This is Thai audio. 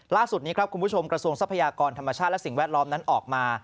ล่าสุดนี้ครับคุณผู้ชมกระทรวงทรัพยากรธรรมชาติและสิ่งแวดล้อมนั้นออกมา